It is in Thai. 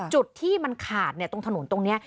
จุดที่มันขาดเนี่ยตรงถนนตรงเนี่ย